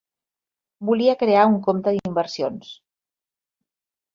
Volia crear un compte d'inversions.